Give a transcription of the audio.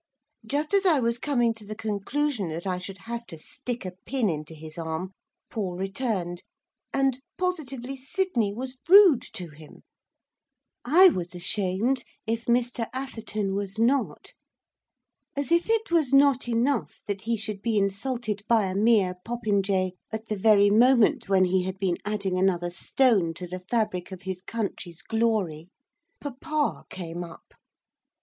Just as I was coming to the conclusion that I should have to stick a pin into his arm, Paul returned, and, positively, Sydney was rude to him. I was ashamed, if Mr Atherton was not. As if it was not enough that he should be insulted by a mere popinjay, at the very moment when he had been adding another stone to the fabric of his country's glory, papa came up.